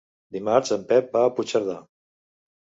Dimarts en Pep va a Puigcerdà.